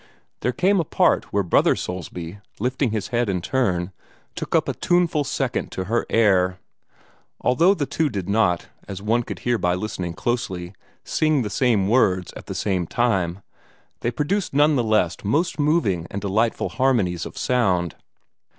There came a part where Brother Soulsby, lifting his head in turn, took up a tuneful second to her air. Although the two did not, as one could hear by listening closely, sing the same words at the same time, they produced none the less most moving and delightful harmonies of sound.